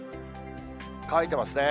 乾いてますね。